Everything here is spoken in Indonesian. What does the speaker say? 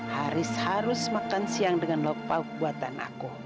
haris harus makan siang dengan lok lok buatan aku